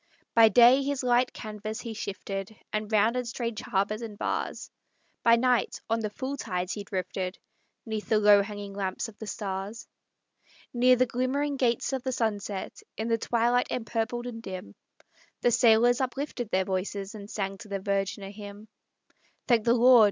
By day his light canvas he shifted, And rounded strange harbors and bars; By night, on the full tides he drifted, 'Neath the low hanging lamps of the stars. Near the glimmering gates of the sunset, In the twilight empurpled and dim, The sailors uplifted their voices, And sang to the Virgin a hymn. "Thank the Lord!"